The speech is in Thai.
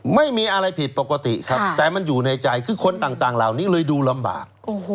ไม่มีอะไรผิดปกติครับแต่มันอยู่ในใจคือคนต่างเหล่านี้เลยดูลำบาก